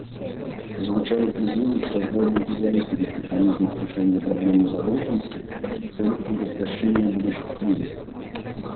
Звучали призывы к созданию независимых механизмов решения проблемы задолженности в целях предотвращения будущих кризисов.